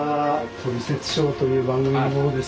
「トリセツショー」という番組の者です。